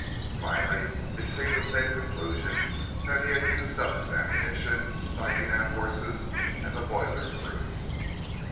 Finally, it seemed a safe conclusion that he had used up his ammunition sniping at horses and the boiler crew.